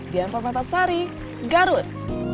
diampar mata sari garut